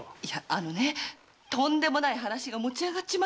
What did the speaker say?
あのねとんでもない話が持ち上がっちまったんだよ！